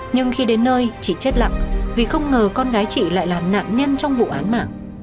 nhưng khi đến nơi chị chết lặng vì không ngờ con gái chị lại là nạn nhân trong vụ án mạng